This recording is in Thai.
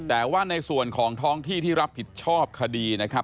แต่ว่าในส่วนของท้องที่ที่รับผิดชอบคดีนะครับ